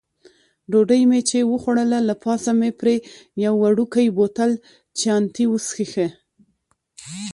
ډوډۍ مې چې وخوړله، له پاسه مې پرې یو وړوکی بوتل چیانتي وڅېښه.